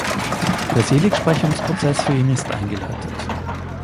Der Seligsprechungsprozess für ihn ist eingeleitet.